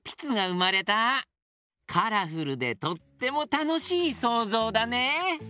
カラフルでとってもたのしいそうぞうだね。